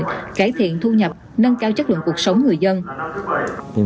cải thiện thu nhập nâng cao chất lượng cuộc sống người dân